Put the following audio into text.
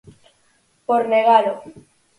Por negalo.